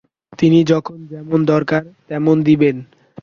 তিনি যখন যেমন দরকার, তেমন দিবেন।